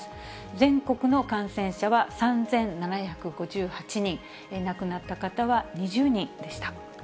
全国の感染者は３７５８人、亡くなった方は２０人でした。